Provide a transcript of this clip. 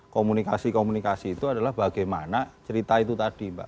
komunikasi komunikasi itu adalah bagaimana cerita itu tadi mbak